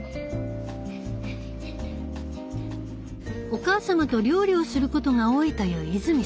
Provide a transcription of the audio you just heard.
お母様と料理をすることが多いという泉さん。